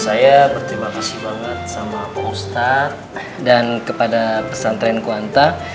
saya berterima kasih banget sama ustazah dan kepada pesantren kunanta